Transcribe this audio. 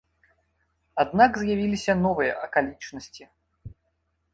Аднак з'явіліся новыя акалічнасці.